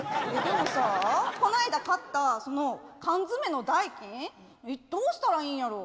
でもさこないだ買ったその缶詰の代金どうしたらいいんやろ？